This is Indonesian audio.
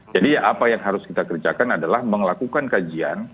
jadi apa yang harus kita kerjakan adalah melakukan kajian